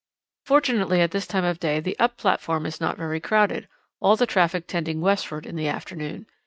"Fortunately at this time of day the up platform is not very crowded, all the traffic tending westward in the afternoon.